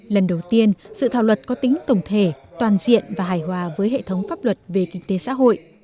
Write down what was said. lần đầu tiên dự thảo luật có tính tổng thể toàn diện và hài hòa với hệ thống pháp luật về kinh tế xã hội